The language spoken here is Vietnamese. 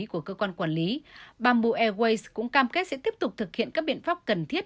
các chuyến bay của cơ quan quản lý bamboo airways cũng cam kết sẽ tiếp tục thực hiện các biện pháp cần thiết